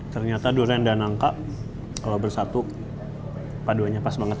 ternyata durian dan angka kalau bersatu paduannya pas banget